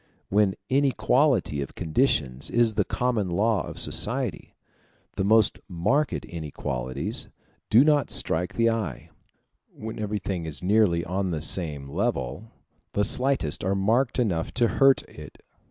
When inequality of conditions is the common law of society, the most marked inequalities do not strike the eye: when everything is nearly on the same level, the slightest are marked enough to hurt it.